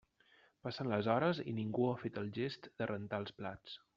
Passen les hores i ningú ha fet el gest de rentar els plats.